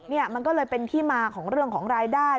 นี่มันก็เลยเป็นที่มาของเรื่องของรายได้